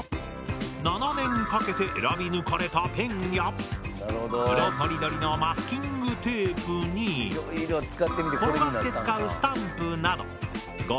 ７年かけて選び抜かれたペンや色とりどりのマスキングテープに転がして使うスタンプなどすごい。